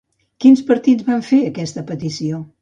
Quins partits van fer aquesta petició?